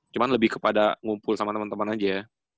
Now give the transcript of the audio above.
cuman lebih kepada ngumpul sama temen temen aja ya